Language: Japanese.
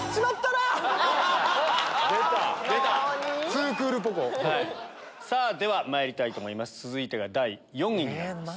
なにぃ⁉ではまいりたいと思います続いてが第４位になります。